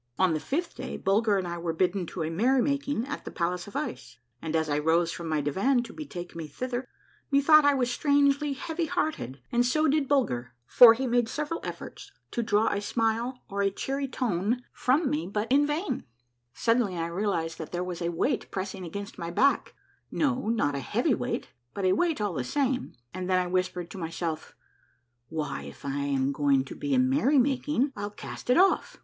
On the fifth day Bulger and I were bidden to a merry making at the palace of ice, and as I rose from my divan to betake me thither, methought I was strangely heavy hearted, and so did THE BAUON'S FLIGHT TO THE ICE PALACE. 9 1 9 i I ■ 4 i A MARVELLOUS UNDERGROUND JOURNEY 193 Bulger, for he made several efforts to draw a smile, or a cheery tone, from me, but in vain. Suddenly I realized that there was a weight pressing against my back, no, not a heavy weight, but a weight all the same, and then I whispered to myself, " Why, if I am going to a merry making, I'll cast it off